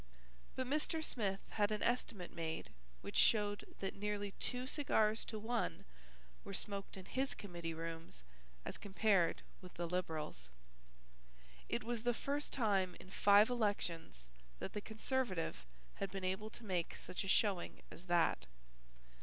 But Mr. Smith had an estimate made which showed that nearly two cigars to one were smoked in his committee rooms as compared with the Liberals. It was the first time in five elections that the Conservative had been able to make such a showing as that.